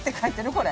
これ。